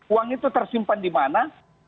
uang itu tersimpan di mana